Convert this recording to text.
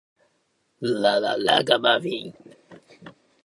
ラガマフィン